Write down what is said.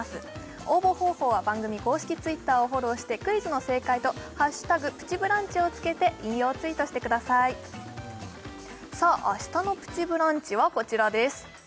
応募方法は番組公式Ｔｗｉｔｔｅｒをフォローしてクイズの正解と「＃プチブランチ」をつけて引用ツイートしてくださいさあ明日の「プチブランチ」はこちらです